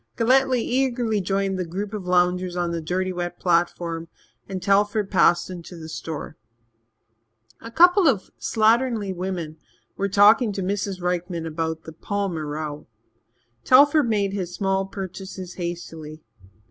Galletly eagerly joined the group of loungers on the dirty wet platform, and Telford passed into the store. A couple of slatternly women were talking to Mrs. Rykman about "the Palmer row." Telford made his small purchases hastily.